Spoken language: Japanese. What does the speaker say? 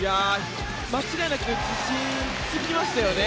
間違いなく自信がつきましたよね。